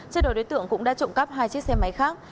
trên đồi đối tượng cũng đã trộm cắp hai chiếc xe máy khác